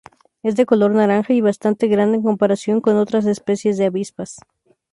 Es de color naranja y bastante grande en comparación con otras especies de avispas.